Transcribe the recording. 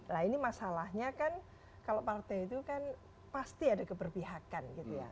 nah ini masalahnya kan kalau partai itu kan pasti ada keberpihakan gitu ya